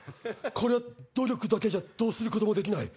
これは努力だけじゃどうすることもできない。